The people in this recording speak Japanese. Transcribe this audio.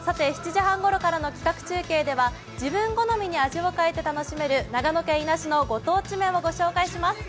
７時半ごろからの企画中継では、自分好みに味を変えて楽しめる長野県伊那市のご当地麺をご紹介します。